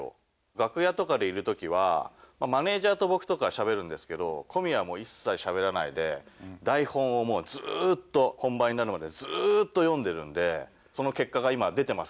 楽屋とかでいるときはマネジャーと僕とかしゃべるんですけど小宮は一切しゃべらないで台本をずーっと本番になるまでずーっと読んでるんでその結果が今出てますからね。